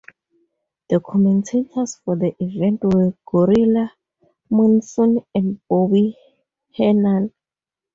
The commentators for the event were Gorilla Monsoon and Bobby Heenan.